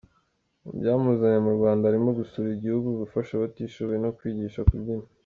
Mu byamuzanye mu Rwanda harimo gusura igihugu, gufasha abatishoboye no kwigisha kubyina.